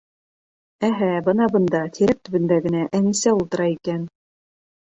Әһә, бына бында, тирәк төбөндә генә, Әнисә ултыра икән.